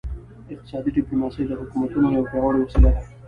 اقتصادي ډیپلوماسي د حکومتونو یوه پیاوړې وسیله ده